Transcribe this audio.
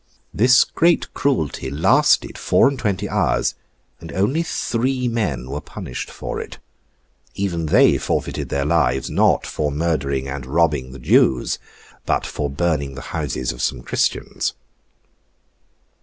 This great cruelty lasted four and twenty hours, and only three men were punished for it. Even they forfeited their lives not for murdering and robbing the Jews, but for burning the houses of some Christians.